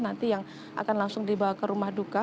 nanti yang akan langsung dibawa ke rumah duka